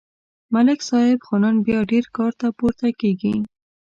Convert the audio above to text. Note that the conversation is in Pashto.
ملک صاحب خو نن بیا ډېر کار ته پورته کېږي